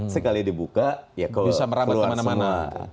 sekali dibuka ya keluar semua